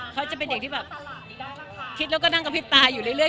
เขาจะเป็นอย่างที่แบบคิดแล้วก็นั่งกระพริบตาอยู่เรื่อย